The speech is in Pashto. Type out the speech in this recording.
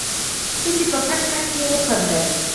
داسې په کټ کټ يې وخندل.